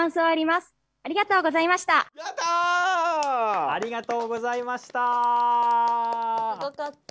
すごかった。